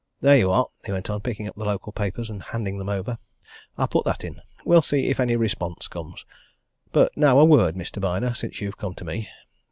There you are!" he went on, picking up the local papers and handing them over. "I put that in we'll see if any response comes. But now a word, Mr. Byner, since you've come to me.